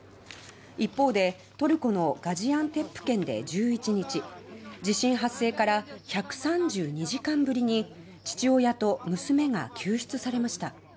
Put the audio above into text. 一方で、トルコのガジアンテップ県で１１日地震発生から１３２時間ぶりに父親と娘が救出されました。